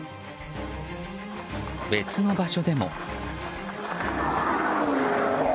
別の場所でも。